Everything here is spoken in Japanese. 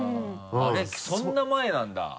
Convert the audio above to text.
あれそんな前なんだ。